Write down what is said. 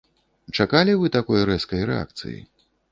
Чакалі вы такой рэзкай рэакцыі?